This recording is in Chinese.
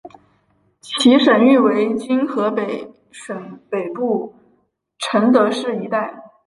其省域为今河北省北部承德市一带。